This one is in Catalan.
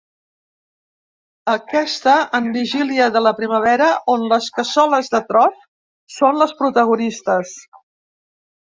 Aquesta, en vigília de la primavera, on les cassoles de tros són les protagonistes.